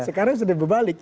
sekarang sudah berbalik